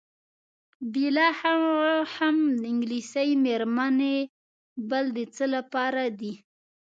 بېله هغه هم انګلیسۍ میرمنې بل د څه لپاره دي؟